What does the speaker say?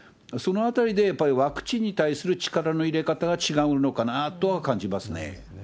そのあたりで、やっぱりワクチンに対する力の入れ方が違うのかなとは感じますね。